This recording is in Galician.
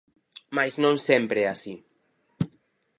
Mais non sempre é así.